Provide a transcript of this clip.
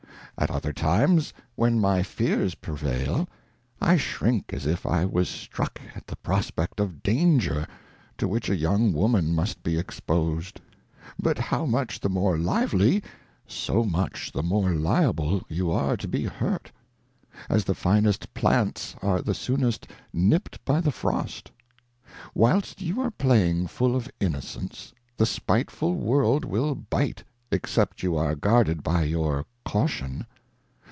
At other times, when " my Fears prevail, I shrink as if I was struck, at the Prospect of Danger, to which a young Woman must be exposed. But how much the more Lively, so much the more Liable you are to be hurt ; as the finest Plants are the soonest nipped by the Frost. Whilst you are playing full of Innocence, the spitefull World ~1 will bite, except you are guarded by your Caution.